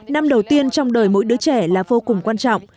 năm đầu tiên trong đời mỗi đứa trẻ là vô cùng quan trọng